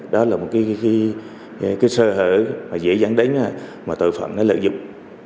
đó là một cái sơ hở dễ dàng đánh mà tội phận nó lợi dụng